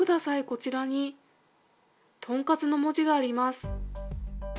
こちらにとんかつの文字があります。